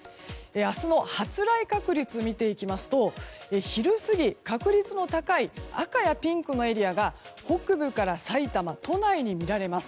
明日の発雷確率を見ていきますと昼過ぎ、確率の高い赤やピンクのエリアが北部からさいたま都内に見られます。